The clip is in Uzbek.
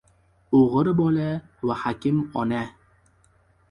O‘g‘ri bola va hakima ona